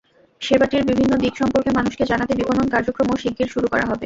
সেবাটির বিভিন্ন দিক সম্পর্কে মানুষকে জানাতে বিপণন কার্যক্রমও শিগগির শুরু করা হবে।